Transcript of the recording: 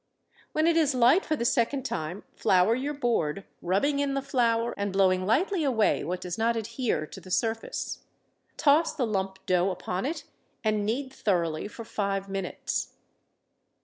When it is light for the second time flour your board, rubbing in the flour and blowing lightly away what does not adhere to the surface. Toss the lump dough upon it and knead thoroughly for five minutes.